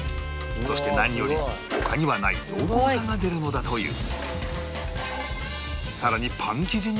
そして何より他にはない濃厚さが出るのだという